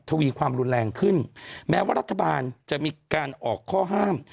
ทวีความรุนแรงขึ้นแม้ว่ารัฐบาลจะมีการออกข้อห้าม